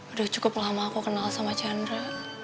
udah cukup lama aku kenal sama chandra